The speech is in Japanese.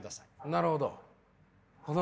なるほど。